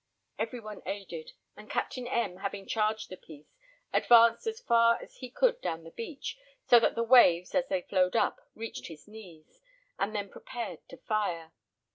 Every one aided; and Captain M having charged the piece, advanced as far as he could down to the beach, so that the waves, as they flowed up, reached his knees, and then prepared to fire.